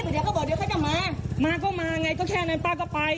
เดี๋ยวเขาบอกเดี๋ยวเขาจะมามาก็มาไงก็แค่นั้นป้าก็ไป